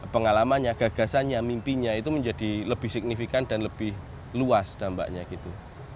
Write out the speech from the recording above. pengalamannya gagasannya mimpinya itu menjadi lebih signifikan dan lebih luas dampaknya gitu